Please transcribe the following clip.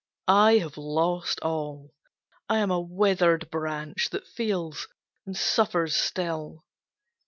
I have lost all; I am a withered branch, that feels and suffers still.